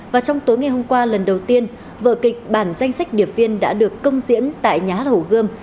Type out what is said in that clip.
và trong tối ngày hôm qua lần đầu tiên vợ kịch bản danh sách điệp viên đã được công diễn tại nhá hổ gươm